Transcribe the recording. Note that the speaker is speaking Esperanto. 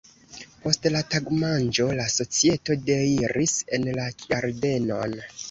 Post la tagmanĝo la societo deiris en la ĝardenon.